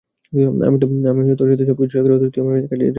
আমি তোর সাথে সবকিছু শেয়ার করি, অথচ তুই আমার থেকে এটা গোপন করলি।